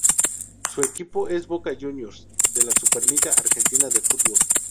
Su equipo es Boca Juniors de la Superliga Argentina de Fútbol.